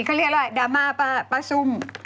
เขาเรียกอะไรดราม่าประซุม